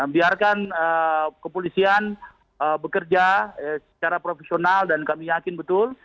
biarkan kepolisian bekerja secara profesional dan kami yakin betul